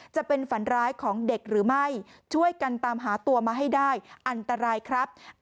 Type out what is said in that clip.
จะเป็นฝันร้ายของเด็กหรือไม่ช่วยกันตามหาตัวมาให้ได้อันตรายครับ